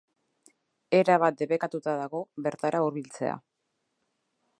Erabat debekatuta dago bertara hurbiltzea.